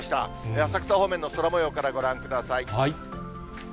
浅草方面の空もようからご覧ください。